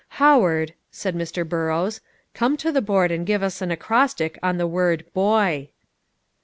"Howard," said Mr. Burrows, "come to the board and give us an acrostic on the word boy."